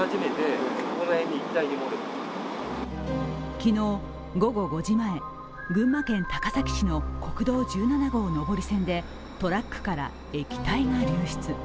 昨日午後５時前、群馬県高崎市の国道１７号上り線でトラックから液体が流出。